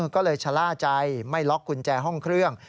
ก็เลยชะล่าใจไม่ล็อกกุญแจห้องเครื่อง